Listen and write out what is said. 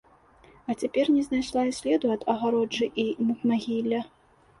А цяпер не знайшла і следу ад агароджы і надмагілля.